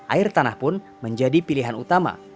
air tanah pun menjadi pilihan utama